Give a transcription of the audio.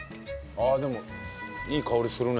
ああでもいい香りするね。